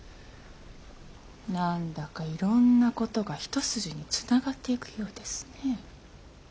何だかいろんなことが一筋につながっていくようですね。